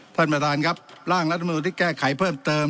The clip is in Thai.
ท่านประธานครับร่างรัฐมนุนที่แก้ไขเพิ่มเติม